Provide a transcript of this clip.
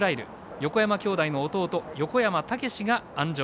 横山兄弟の弟横山武史が鞍上。